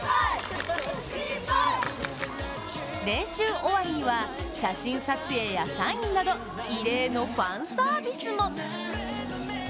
練習終わりには写真撮影やサインなど異例のファンサービスも。